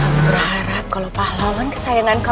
adanya segini dipasin aja sama uangnya